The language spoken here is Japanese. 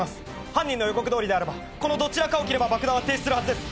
犯人の予告どおりであればこのどちらかを切れば爆弾は停止するはずです。